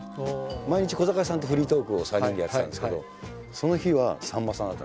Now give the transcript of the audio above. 毎日小堺さんとフリートークを３人でやってたんですけどその日はさんまさんだったんですよ。